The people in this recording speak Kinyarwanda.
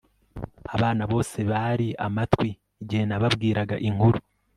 abana bose bari amatwi igihe nababwiraga inkuru